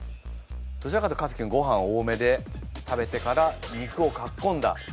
どちらかというとかつき君ごはん多めで食べてから肉をかっ込んだ。